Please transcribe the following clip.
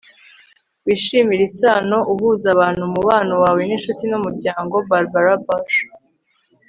wishimire isano uhuza abantu - umubano wawe n'inshuti n'umuryango. - barbara bush